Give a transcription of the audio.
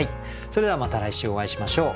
それではまた来週お会いしましょう。